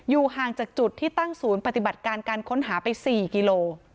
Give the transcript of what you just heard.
ห่างจากจุดที่ตั้งศูนย์ปฏิบัติการการค้นหาไป๔กิโล